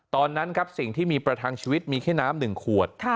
ตอนนั้นครับสิ่งที่มีประทังชีวิตมีแค่น้ำ๑ขวด